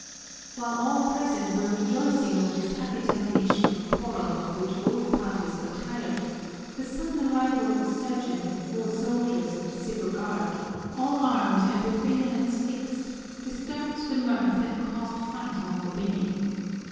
While all present were rejoicing over this happy termination of a quarrel of which both parties were tired, the sudden arrival of a sergeant and four soldiers of the Civil Guard, all armed and with bayonets fixed, disturbed the mirth and caused fright among the women.